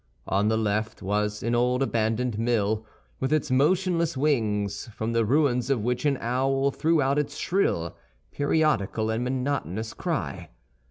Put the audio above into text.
On the left was an old abandoned mill, with its motionless wings, from the ruins of which an owl threw out its shrill, periodical, and monotonous cry.